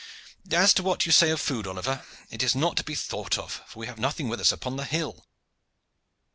As to what you say of food, Oliver, it is not to be thought of, for we have nothing with us upon the hill."